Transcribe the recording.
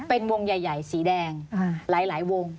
เป็นวงใหญ่สีแดงหลายวง